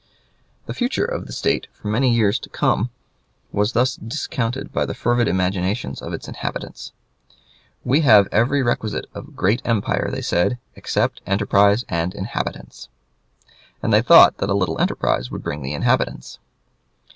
The future of the State for many years to come was thus discounted by the fervid imaginations of its inhabitants. "We have every requisite of a great empire," they said, "except enterprise and inhabitants," and they thought that a little enterprise would bring the inhabitants.